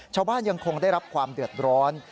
ชาวบ้านยังคงได้รับความเดือดร้อน